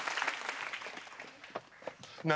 何？